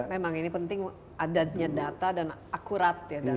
memang ini penting adanya data dan akurat ya